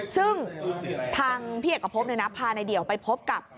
ซึ่งทางพี่เอกกะโภพนึงนะพาในเดี่ยวไปพบกับ